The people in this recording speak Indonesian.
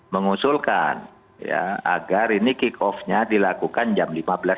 mengusulkan agar ini kick off nya dilakukan jam lima belas tiga puluh